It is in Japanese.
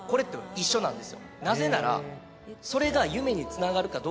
なぜなら。